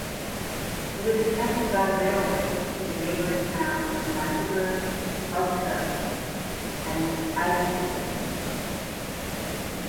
It is connected by railway to the neighbouring towns of Magdeburg, Oebisfelde and Eilsleben.